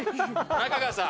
中川さん！